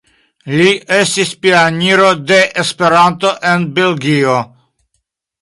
Li estis pioniro de Esperanto en Belgio.